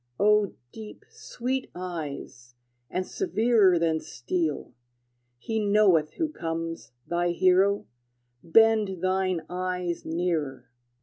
O deep, sweet eyes, and severer Than steel! he knoweth who comes, Thy hero: bend thine eyes nearer!